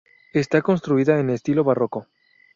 Está construida en estilo barroco.